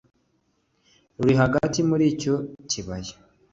ruri hagati muri icyo kibaya